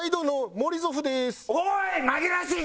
おい！